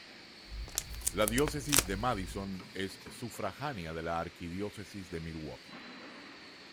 La Diócesis de Madison es sufragánea de la Arquidiócesis de Milwaukee.